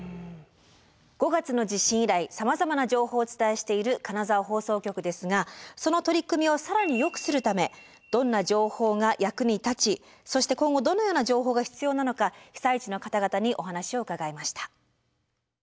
５月の地震以来さまざまな情報をお伝えしている金沢放送局ですがその取り組みを更によくするためどんな情報が役に立ちそして今後どのような情報が必要なのか被災地の方々にお話を伺いました。